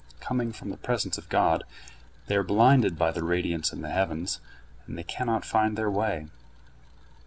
Coming from the presence of God, they are blinded by the radiance in the heavens, and they cannot find their way.